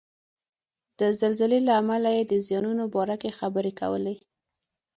د زلزلې له امله یې د زیانونو باره کې خبرې کولې.